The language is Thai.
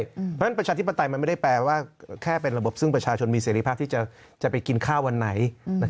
เพราะฉะนั้นประชาธิปไตยมันไม่ได้แปลว่าแค่เป็นระบบซึ่งประชาชนมีเสรีภาพที่จะไปกินข้าววันไหน